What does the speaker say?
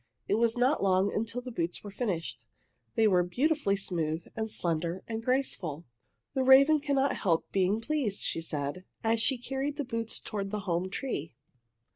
It was not long until the boots were finished. They were beautifully smooth and slender and graceful. "The raven cannot help being pleased," she said, as she carried the boots toward the home tree.